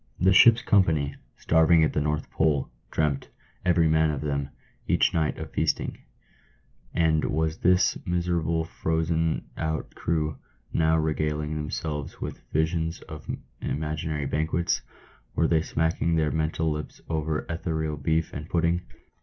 The ship's company, starving at the North Pole, dreamt, every man of them, each night, of feasting ; and was this miserable frozen out crew now regaling themselves with visions of imaginary banquets ?— were they smacking their mental lips over ethereal beef and pudding